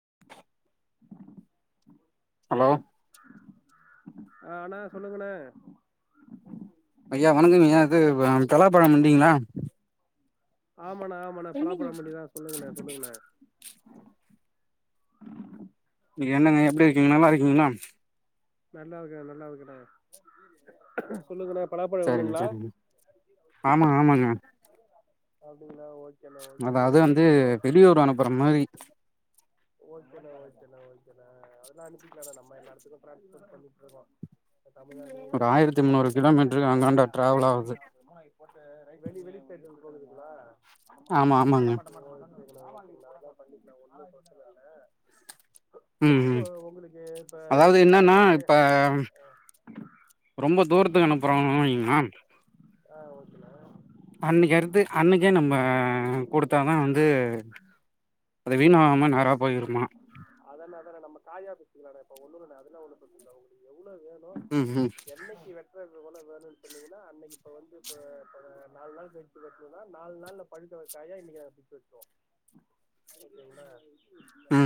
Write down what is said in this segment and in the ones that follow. [unintelligible] Hello அ அண்ணே சொல்லுங்க அண்ணே ஐயா வணக்கங்க ஐயா தலாபழம் பண்டிங்களா ஆமாண்ணா ஆமாண்ணா பலாபழம் மண்டிதா சொல்லுங்கண்ண சொல்லுங்கண்ண என்னங்க எப்டி இருக்கிங்க நல்லா இருக்கிங்களா நல்லா இருக்க நல்லா இருக்கான சொல்லுங்கண பலாபழ சரிங்க வேணுங்களா சரிங்க ஆமா ஆமாங்க அப்டிங்கள ஓகே அது அது வந்து வெளியூர் அனுப்புற மாரி ஓகேட ஓகேட ஓகேட அதெல்லாம் அனுப்பிக்கல நம்ம எல்லாதுக்கும் பிராக்டிஸ் பண்ணிட்டு இருக்கோ நமக்கு அப்டி ஒரு இந்தியா ல ஆயிரத்தி முன்னூறு எல்லா கிலோமீட்டரு எடத்லையும் அங்காண்ட டிராவல் ஆகுது இல்ல இப்ப போ வந்து வெளி வெளி சைடு இருந்து போதுகுங்களா ஆமா ம மாட்ட ஆமாங்க மட்டன்னு வருது ஆமாங்க பண்ணிகே ஒன்னு ம் ம் ம் உங்களுக்கு இப்ப அதாவது எப்டின்னா என்னனா இப்ப ஆய இப்பே ரொம்ப தூரத்துக்கு அனுப்புறோ வைங்களா ஆ ஓகோணா அன்னக்கி அருத்து அன்னைக்கே நம்ம கொடுத்தாதா வந்து அது வீண் ஆகாம நேறா போயிருமா அதன அதன நம காயா பரிச்சிக்கல இப்ப ஒண்ணுன அதெல்லா ஒண்ணு பெரச்சனல்ல உங்களுக்கு எவ்ள வேணும் ம் ம் என்னனைக்கு வெற்றது வேனு சொண்ணீங்கன்னா அன்னைக்கு வந்து நாலு நாள் கழிச்சு வென்றான் நாலு நாள் பழுக்குரக் காய்ய இன்னைக்கு நாங்க குட்த்துட்டோம்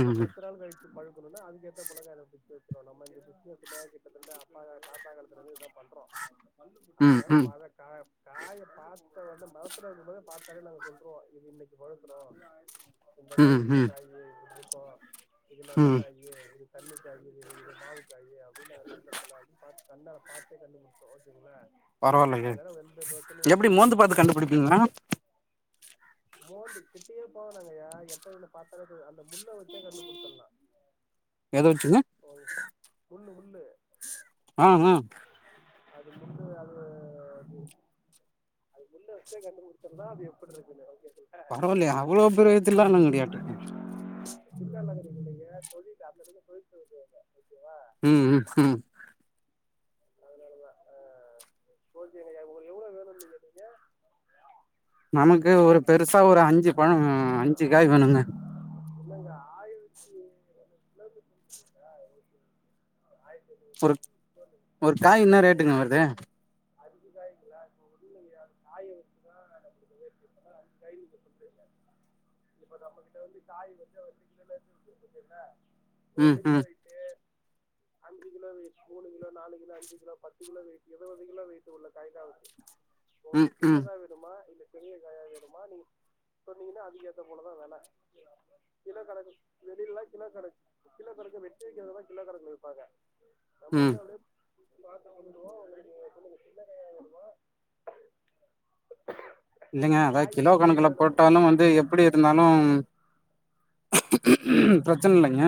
இல்ல பத்து நாள் கழிச்சு பழுக்கணுன அதுக்கேத் புலகை சுட்டு வெச்சுருவே நம்ம இங்க சுட்டு வெச்சத கிட்ட‌ தட்ட அப்பா தாத்தா காலத்தில இருந்து இதுதான் பண்றோம் ம் அதனால ம் பாதக் காய பாத்த ஒடனே மரத்துல இருக்கும் போதே பாத்தாலே நாங்க சொல்ருவோம் இது இன்னைக்கு பழுக்கணு இந்த காய் ம் இந்த ம் காய் இருக்கும் இது நல்ல ம் காயி இரு தண்ணிக்காயி மாவு காய் அப்டின்னு அத நல்ல சொல்ல அட ப கண்ணால பாத்தே கண்டு புடிச்சிடுவோம் ஓகேங்களா பரவாயில்யேங்க அதனால எந்த பிரச்சனையும் இல்ல எப்டி மோந்து பாத்து உங்களுக்கு கண்டுபிடிப்பீங்களா மோந்து கிட்டியே போவ வேன்டாங்கயா எட்ட இருந்து பாத்த அந்த முள்ள வச்சே கன்டு கண்டுபிடிச்சிரலா எதை வெச்சீங்க ஓ முள்ளு முள்ளு ஆ ஆ அது முள்ளூ அது அது அது முள்ள வச்சே கண்டுபிடிச்சிடலா அது எப்டி இருக்குன்னு ஓகே பரவாயில்லயே அவ்ளோ பெரிய தில்லாலங்கடி ஆயிட்டுருக்க தில்லாலங்கடி இல்லங்க தொழில் அந்த தொழில் இருக்கு. ம் ம் அதனாலதா அ [unintelligible] எவ்ளோ வேணும் நீங்க நீங்க நமக்கு ஒரு பெருசா ஒரு அஞ்சு பழம் அஞ்சு காய் வேணுங்க இல்லங்க ஆயிரத்தி [inaudible] ஆயிரத்தி ஒரு ஒரு காய் என்ன ரேட்டுங்க வருது அஞ்சு காயிங்களா இல்லயே அது காய வச்சுதா நம்ம ரேட் [inaudible] இப்ப நம்மகிட்ட வந்து காய் வந்து வந்து கீழே [unintelligible] ம் ம் ட்டு அஞ்சு கிலோ மூணு கிலோ நாலு கிலோ அஞ் லோ பத்து கிலோ வெயிட் இருவது கிலோ வெயிட் உள்ள காயங்தா வருது ம் உங்களுக்கு ம் சின்னதா இல்ல பெரிய காயா வேனுமா நீங்க சொன்னீங்கன்னா அது ஏத்த போலதா வெல கிலோ கணக்கு வெளிலலாம் கிலோ கனக்கு கிலோ கணக்கு வெட்டி வைக்கியது தா கிலோ கணக்குல விப்பாங்க நம்ம ம் வந்து அப்டியே பாத்து பண்ணுவோம் உங்களுக்கு சொல்லுங்க சின்ன காயா வேணுமா இல்லங்க அதாது கிலோ கணக்குல போட்டாலும் வந்து எப் பிடி இருந்தாலும் பிரச்சன இல்லங்க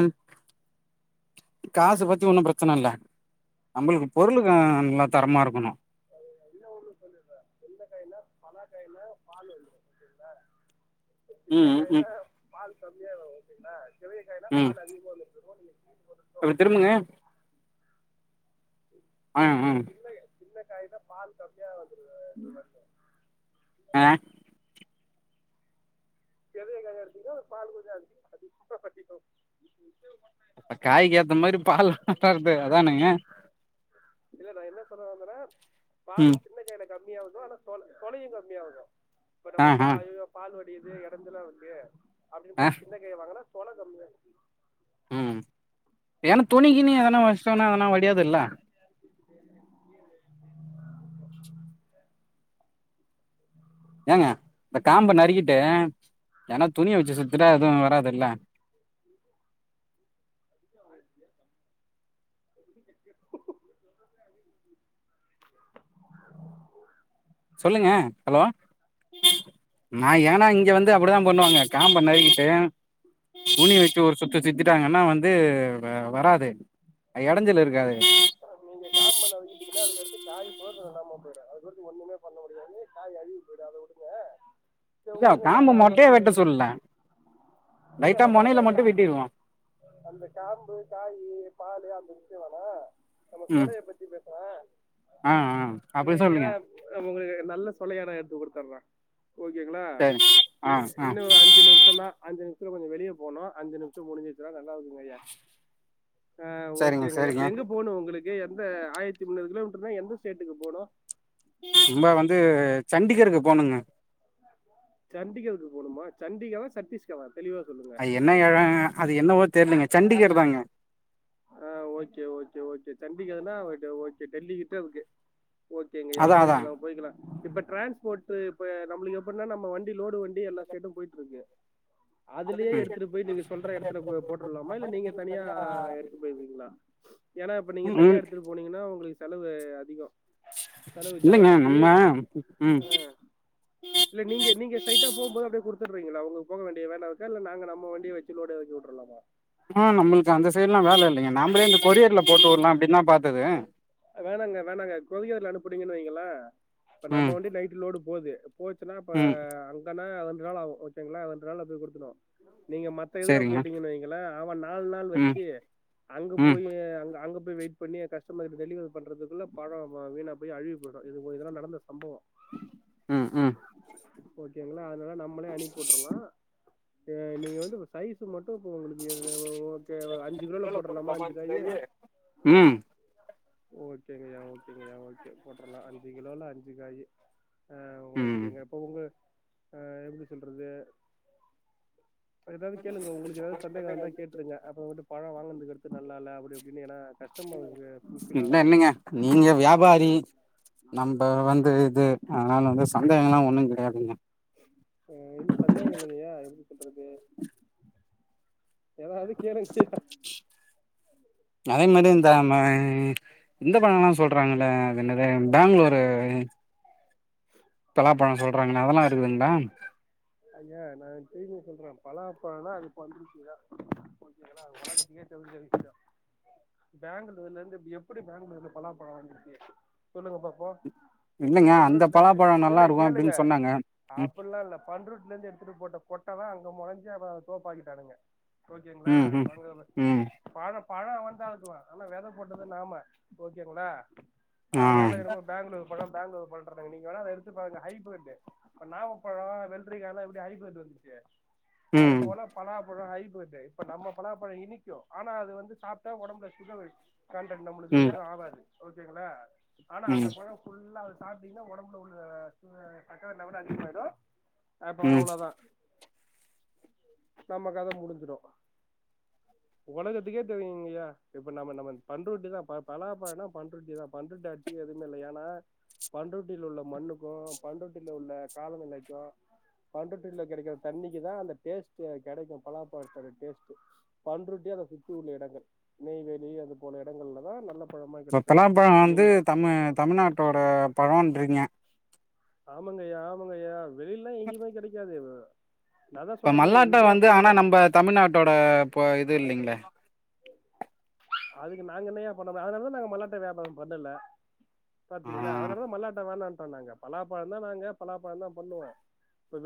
காசு பற்றி ஒன்றும் பிரச்சன இல்ல நம்மளுக்கு பொருளு நல்லா தரமா இருக்கணும் ன ஒண்ணு சொல்ல எந்த காய்னா பலாக்காயில பால் வந்துரு ஒக்கேங்களா சின்ன ம் காய்ல ம் பால் கம்மியா வரும் ஓகேங்களா பெரிய காய்ல ம் பால் அதிகமா வந்துரு அப்டி திரும்புங்க ஆ ஆ சின் சின்ன காய்னா பால் கம்மியா வந்துரு ஆ எது நல்லா இருக்கும்னா பால் கொஞ்சம் அதி அதிகம் அப்ப காய்க்கு ஏத்த மாரி பால் [unintelligible] அதானுங்க இல்ல நா என்ன சொல்ல வந்தன்னா பால் ம் [unintelligible] கம்மி ஆகுதோ அனா சொ சொளையும் கம்மியாகும் இப்ப ஆ நம்ம ஆ பால் பால் வடிது எ [unintelligible] அப்டி ஆ பாத்து சின்ன காயா வாங்குன்னா சொளை கம்மியாருக்கு ம் ஏன்னா துணி கினி எதனா வச்சோனா ஒன்னும் வடியாது இல்ல ஏங்க இந்த காம்ப நறுக்கிட்டு ஏன்னா துணியை வச்சு சுத்துட்டா எதுவும் வராதுல சொல்லுங்க ஹலோ நா ஏன்னா இங்க வந்து அப்டிதா பண்ணுவாங்க காம்ப நறுக்கிட்டு துணி வச்சு ஒரு சுத்து சுத்திட்டாங்கன்னா வந்து வராது அது எடஞ்சலு இருக்காது நீங்க காம்ப நறுக்கிட்டிங்கனா அதுக்கு அடுத்து காய் பிரயோஜனம் இல்லாம போயிடும் அதுக்கு ஒண்ணுமே பண்ண முடியாது காய் அழுகி போயிடு அத விடுங்க சரி [unintelligible] உடுங்க காம்ப யாருனா மொட்டையா உங்களுக்கு வெட்ட சொல்ல இல்ல லைட்டா நம்ம மொனைல அந்த மட்டு கா வெட்டிருவோ அந்த காம்பு காயி பாலு அந்த விக்க வேணா நம்ம கொலைய பத்தி பத்தி பேசுறே அ அ அப்டி சொல்லுங்க உங்களுக்கு நல்ல சொலையானா எடுத்து குடுத்துர்ற ஓகேங்களா சரி ஆ ஆ இன்னு ஒரு அஞ்சு நிமிஷந்தா அஞ்சு நிமிசத்துல கொஞ்சொ வெளிய போனு அஞ்சு நிமிசம் முடிஞ்சிருச்சுனா நல்லா இருக்குங்க ஐயா ஆ சரிங்க ஓகேங்கயா இப்ப சரிங்க எங்க போகணு உங்குளுக்கு எந்த ஆயிரத்தி முன்னூறு கிலோமீட்டர்னா எந்த ஸ்டேட்டுக்கு போணு சும்மா‌ வந்து சண்டிகருக்கு போனுங்க சண்டிகருக்கு போணுமா சண்டிகரா சத்தீஷ்கரா தெளிவா சொல்லுங்க அது என்ன எல அது என்னவோ தெர்லேங்க சண்டிகர் தாங்க ஆ ஓகே ஓகே ஓகே சண்டிகர்னா ஓகே டெல்லிக்கிட்ட இருக்கு ஓகேங்கய்யா அதா அதா போய்க்கலா போய்க்கலா இப்ப டிரான்ஸ்போர்ட்டு இப்ப நம்மளுக்கு எப்பன்னா நம்ம வண்டி லோடு வண்டி எல்லா ஸ்டேட்டும் போயிட்ருக்கு அதுலயே எடுத்துட்டு போய் நீங்க சொல்ற எடத்துல போ போட்றலாமா இல்ல நீங்க தனியா எடுத் கிரிங்களா ஏன்னா இப்ப நீங்க ம் தனியா ம் எடுத்துட்டு போனீங்கன்னா உங்களுக்கு செலவு அதிகொ செலவு இல்லைங்க ஜாஸ்தி நம்ம ம் அ இல்ல நீங்க நீங்க சைட்டா போம்போது அப்டியே குடுத்துடுறீங்களா உங்க போக வேண்டிய வேல இருக்கா இல்ல நாங்க நம்ம வண்டிய வச்சு ச்சி லோடு எறக்கி வுட்ருலாமா ம் நம்மளுக்கு அந்த சைட்ல்லா வேல இல்லைங்க நாம்பளே இந்த கொரியர்ல போட்டுவுர்லா அப்டின் தா பாத்தது வேணாங்க வேணாங்க கொரியர்ல அனுப்புனீங்கன்னு வைங்கள இப்ப நம்ம ம் வண்டி நைட் லோடு போது போச்சுன்னா இப்ப ம் அங்கன்னா ரெண்டு நாள் ஆவு ஓகேங்களா ரெண்டு நாள்ள போய் குடுத்துருவோ நீங்க மத் மத்த இதுல சேரிங்க போட்டீங்கன்னு வைங்களே அவன் நாலு நாள் ம் வச்சி அங்க ம் போய்யி அங்க போய் வெயிட் இப்ப நீ கஸ்டமர் டெலிவரி பண்றதுக்குள்ள பழம் வீனா போய் அழுவி போய்டு இது இதெல்லா நடந்த சம்பவொ ம் ம் ஓகேங்களா அதனால நம்மளே அனுப்பி வுட்ரலா நீங்க வந்து சைஸ் ஸு மட்டு இப்ப உங்களுக்கு ஓகே அஞ்சு கிலோல போட்ரலாமா அஞ்சு காயி ம் ஓகேங்கயா ஓகேங்கயா ஓகே போட்றலா அஞ்சு கிலோல அஞ்சு காயி ஆ ம் ஓகேங்க இப்போ உங்க அ எப்டி சொல்றது எதாவ்து கேளுங்க உங்களுக்கு எதாவ்து சந்தேகொ இருந்தா கேட்ருங்க அப்பறோ வந்துட்டு பழொ வாங்கினதுக்கு அடுத்து நல்லால்ல அப்டிப்டினு ஏன்னா கஸ்டமருக்கு ஃபுல்ஃபில் இன்ன ஆகணும் இல்லங்க நீங்க வியாபாரி நம்ப வந்து இது அதனால வந்து சந்தேகல்லா ஒண்ணு கெடையாதுங்க அ இல்ல சந்தேங்க இல்லைங்கயா எப்டி சொல்றது எதாவ்து கேளுங்கய்யா அதே மாதிரி இந்த இந்த பழம்லா சொல்றாங்களே அது என்னது பேங்ளூறு பலா பழம் சொல்றாங்களே அதெல்லா இருக்குதுங்களா ஐய்யா நா திரும்பியு சொல்றே பழா பழனா அது பண்ருட்டிதா புரிஞ்சுதுங்களா அது ஒலகத்துக்கே தெரிஞ்ச விஷயொ பேங்களூர்ல இருந்து எப்டி எப்படி பேங்ளூர்லந்து பலா பழம் வந்துச்சி சொல்லுங்க பாப்போ இல்லைங்க அந்த பலாப்பழம் நல்லா இருக்கூ அப்டின்னு சொன்னாங்க இல்லல்ல பண்ரூட்டிலருந்து எடுத்துட்டு போட்ட கொட்ட தா அங்க மொளச்சி அத தோப்பாக்கிட்டானுங்க ஓகேங்களா ம் ம் [unintelligible] ம் ம் பழொ பழொ அவந்தா வெட்டுவா ஆனா வெத போட்டது நாம ஓகேங்களா ஆ அதனால என்னமோ பேங்களூர் பழொ பேங்களூர் பழொ அட நீங்க வேணா அத எடுத்து நீங்க நீங்க வேனா அத எடுத்து பாருங்க ஹைப்ரேட்டு நாவப்பழம் வெள்ளரிக்காலா எப்டி ஹைப்ரேட் வந்துச்சு ம் அதுபோல பலாபழொ ஹைப்ரேட்டு இப்ப நம்ம பலாப்பழ இனிக்கு ஆனா அது வந்து சாப்ட்டா உடம்புல சுகர் வை கண்டட் நம்மளுக்கு ம் எதுவு ஆவாது ஓகேங்ளா ஆனா அந்த ம் பழம் ஃபுல்லா சாப் அப்டினா உடம்புல உள்ள சுக சக்கர லெவல் அதிகமாய்டு அப்போ ம் அவ்ளோதா நம்ம கத முடிஞ்சிரு உலகத்துக்கே தெரியுங்கய்யா இப்ப நம்ம நம்ம பண்ருட்டி தா பலாபழனா பண்ருட்டி தா பண்ருட்டி அடிச்சிக்க எதுமே இல்ல ஏனா பண்ருட்டியில உள்ள மண்ணுக்கு பண்ருட்டில உள்ள காலநிலைக்கு பண்ருட்டில கெடக்கிற தண்ணிக்கு தா அந்த டேஸ்ட் கெடைக்கு பலா பழத்தோட டேஸ்ட்டு பண்ருட்டி அத சுத்தி உள்ள இடங்கள் நெய்வேலி அது போல இடங்கள்ல தா நல்ல பழமா இப்ப கெடைக்கு பலா பழொ வந்து நீங் தமிழ் தமிழ்நாட்டோட பழோன்றீங்க ஆமங்கய்யா ஆமங்கய்யா வெளிலல்லா எங்கேயுமே கெடக்காது நா தா இப்ப சொல்றனே மல்லாட்ட இந்தியா வந்து ஆனா ஃபுல்லா நம்ம தமிழ்நாட்டோட இப்பொ இது இல்லேங்ளே அதுக்கு நாங்க என்னயா பண்றது அதனாலதா நாங்க மல்லாட்ட வியாபார பண்ணல ஆ பாத்தீங்ளா அதனாலதா மல்லாட்ட வேணான்ட்டோ நாங்க பலாப்பழ தா நாங்க பலாப்பழ தா பண்ணுவோ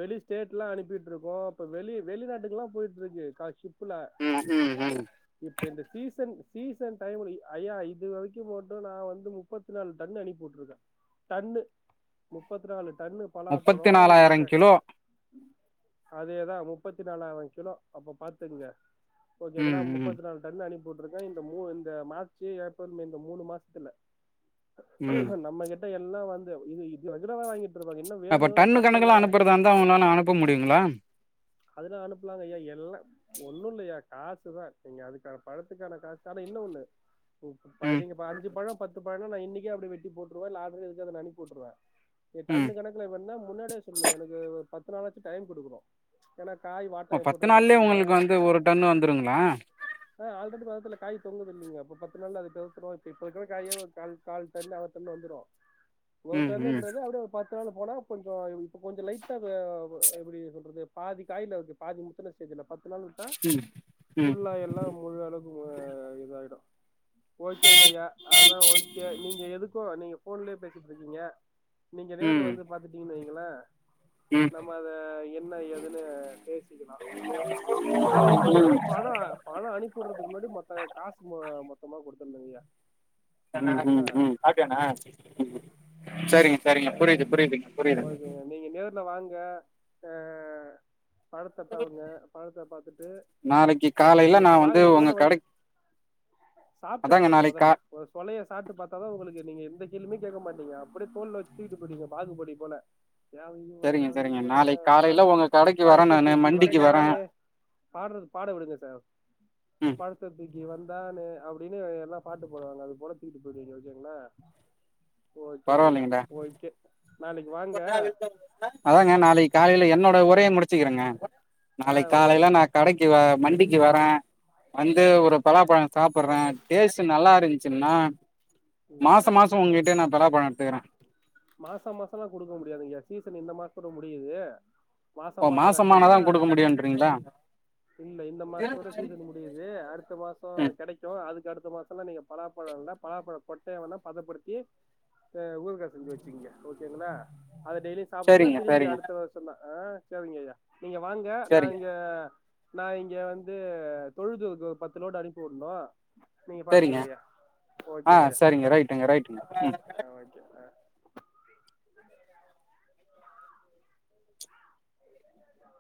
வெளி ஸ்டேட்லா அனுப்பிட்ருக்கோ இப்போ வெளி வெளி நாட்டுக்கெல்லா போயிட்ருக்கு கா ஷிப்புல உம்ம உம் உம் இப்ப இந்த சீசன் சீசன் டைம்ல ஐயா இது வரக்கி மட்டு நா வந்து முப்பத்து த்தி நாலு டன்னு அனுப்பி உட்ருக்கே டன்னு முப்பத்தி நாலு டன்னு பலா பழோ முப்பத்தி இந்தக்க நாலாயிரம் கிலோ அதேதா முப்பத்தி நாலாயிரொ கிலோ அப்ப பாத்துகங்க ஓகேங்களா ம் மு ம் முப்பத்தி நாலு டன்னு அனுப்பிவுட்டுருக்க இந்த இந்த மார்ச்சு ஏப்ரல் இந்த மூணு மாசத்துல ம் நம்ம கிட்ட எல்லா வந்து இது இதனால வாங்கிட் அப்ப டன்னு கணக்காலா அனுப்பறதா இருந்தா உங்களால அனுப்ப முடியுங்ளா அதெல்லா அனுப்பலாங்கய்யா எல்லா ஒண்ணில்லையா காசுதா நீங்க அதுக்கான பழத்துக்கான காசு தர்னு ஆனா இன்னொன்னு ம் நீங்க அஞ்சு பழொ பத்து பழொன்னா நா இன்னக்கே அப்டி வெட்டி போட்ருவே லாரி ஏத்தி அனுப்பி உட்ருவே இங்க ம் டன்னு கணக்கு ல வேனுனா முன்னாடியே சொல்லனு எனக்கு ஒரு பத்து நாளாச்சு டைம் கொடுக்கனு ஏன்னா காய் வாட்ட ஓ பத்து எப்புருக்குன்னு நாள்லயே தெர்ல உங்களுக்கு வந்து ஒரு டன்னு வந்ருங்ளா ஆ ஆல்ரெடி மரத்துல காய் தொங்குதுல்லங்க அப்ப பத்து நாள் அ அது பேருத்துரு இப்ப இப்ப இருக்கிற காய கால் டன்னு அர டன்னு வந்துரு ஒரு ம் ம் டன்னுன்றது அப்டியெ பத்து நாள் போனா கொஞ்ச இப்ப கொஞ்ச லைட்டா எப்டி சொல்றது பாதி காய்லர்க்கு பாதி முத்துன ஸ்டேஜ்ல பத்து நாள் வுட்டா ம் ஃபுல்லா எல்லா முழு அளவுக்கு இதாயிடு ஓகேங்கய்யா அதா ஓகே நீங்க எதுக்கு நீங்க போன்லயே பேசிட்ருக்கீங்க நீங்க நேர்ல ம் வந்து பாத்துட்டீங்கன்னு வைங்களே ம் நம்ம அத என்ன ஏதுன்னு பேசிக்கலா ஆனா இன்னோ ஒண்ணு அதா பணொ அனுப்பிட்றதுக்கு முன்னாடி மொத்த காசு மொத்தமா குடுத்துரனுங்கய்யா சாப்டயானா சேரிங்க சேரிங்க புரியுது புரியுதுங்க புரியுதுங்க ஓகேங்க நீங்க நேர்ல வாங்க ஆ பழத்த பாருங்க பழத்த பாத்துட்டு நாளைக்கு து உங்களுக்கு காலையில நீங்க நான் வந்து வாங்குனீங்க உங்க மொதல்ல வந்து கடைக்கு சாப்ட்டு அதாங்க பாருங்க நாளைக்கு காலை மொதல்ல ஒரு சொலய சாப்ட்டு பாத்தா தா உங்களுக் நீங்க எந்த கேள்வியுமே கேக்க மாட்டீங்க அப்டியே தோள்ல வச்சு தூக்கிட்டு போய்டுவீங்க அப்டி பாகுபலி போல யாரு இவ சரிங்க யாரு சரிங்க இவ நாளைக்கு காலையில பழத்த உங்க கடைக்கு வரேன் பழத்த நானு தூக்கி மண்டிக்கு வரேன் வந்தானே பாட்றது பாட விடுங்க சர் ம் பழத்த தூக்கி வந்தானே அப்டினு எல்லா பாட்டு போடுவாங்க அது போல தூக்கிட்டு போயிடுவீங்க ஓகேங்ளா ஓகேங்கயா பரவாயில்லைங்கடா ஓகே நாளைக்கு வாங்க அதாங்க நாளைக்கு காலைல என்னோட உரைய முடிச்சுக்கிறங்க ஆ நாளைக் ஓகேங்க காலைை நா ஐயா கடைக்கு வ மண்டிக்கு வரே வந்து ஒரு பலாப்பழோ சாப்புறே டேஸ்ட் நல்லா இருந்ச்சுன்னா ம் மாச மாசோ உங்கிட்டே நா பலா பழோ எடுத்துக்கிறே மாச மாசோலா குடுக்க முடியாதுங்யா சீசன் இந்த மாசத்தோட முடியுது மாச ஓ மாசோ கஷ்டந்தா மாசமானாதா குடுக்க முடியுன்றீங்களா இல்ல இந்த மாசத்தோட சீசன் ம் மு முடியுது அடுத்த மாசோ கெடைக்கு அதுக்கு அடுத்த மாசல்லா நீங்க பலாப்பழோ இல்ல பலாப்பழ கொட்டைய வேணா பதப்படுத்தி த ஊறுகா செஞ்சு வச்சுகீங்க ஓகேங்ளா அத டெய்லியு சாப்டுங்க சரிங்க திரும்பியு சரிங்க அடுத்த வருச தெர்ல ஆ செரிங்க ஐயா நீங்க வாங்க நா சரிங்க இங்க நா இங்க வந்து தொழுதூருக்கு ஒரு பத்து லோடு அனுப்பிவுட்னு நீங்க சரிங்க பாத்துக்கங்கயா ஆ ஓகேங்கய்யா சரிங்க வச்சுறோ ரைட்டுங்க ரைட்டுங்க ம் அ ஓகே அ